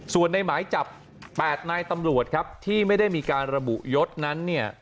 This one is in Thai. ส่วนในหมายจับ๘นายตำรวจครับที่ไม่ได้มีการระบุยศนั้นเนี่ย